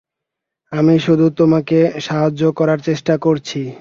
আমি শুধু তোমাকে সাহায্য করার চেষ্টা করছি!